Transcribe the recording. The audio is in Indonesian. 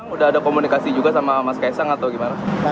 udah ada komunikasi juga sama mas kaisang atau gimana